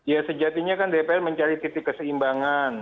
ya sejatinya kan dpr mencari titik keseimbangan